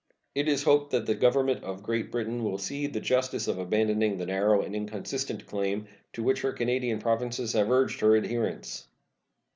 It is hoped that the Government of Great Britain will see the justice of abandoning the narrow and inconsistent claim to which her Canadian Provinces have urged her adherence.